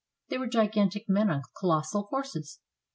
They were gigantic men on colossal horses.